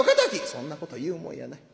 「そんなこと言うもんやない。